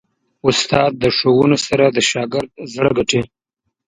استاد د ښوونو سره د شاګرد زړه ګټي.